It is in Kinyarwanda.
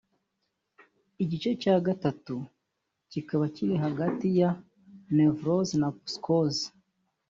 Igice cya gatatu kiba kiri hagati ya 'Nevrose' na 'Psycose'